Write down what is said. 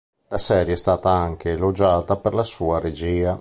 La serie è stata anche elogiata per la sua regia.